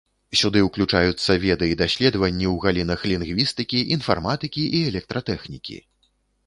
Сюды ўключаюцца веды і даследаванні ў галінах лінгвістыкі, інфарматыкі і электратэхнікі.